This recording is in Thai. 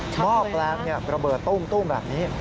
มอบแรงกระเบิดตุ้มแบบนี้